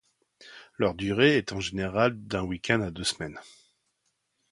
Leur durée est en général d’un week-end à deux semaines.